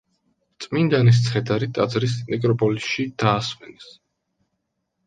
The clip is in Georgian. წმინდანის ცხედარი ტაძრის ნეკროპოლისში დაასვენეს.